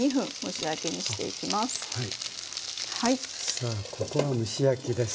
さあここは蒸し焼きです。